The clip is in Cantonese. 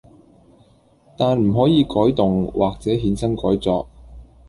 但唔可以改動或者衍生改作